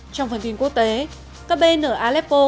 trong phần tin quốc tế các bên ở aleppo